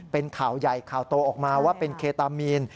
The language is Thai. เป็นข่าวใหญ่ข่าวโตออกมาว่าเป็นเคตามีน